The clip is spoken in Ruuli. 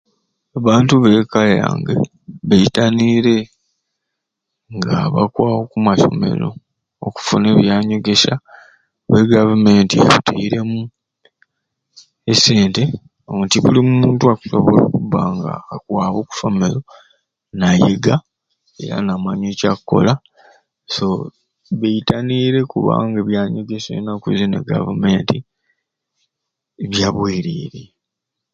Abantu b'eka yange betaniire nga bakwaba oku masomero okufuna ebyanyegesya kubba e Gavumenti yatairemu e sente nti buli muntu akusobola okubba nga akwaba oku somero nayega nabona ekyakkola so betaniire kubanga ennaku zini e Gavumenti ya bwerere.